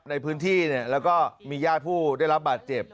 ในพื้นที่แล้วก็มีญาติผู้ได้รับบาดเจ็บ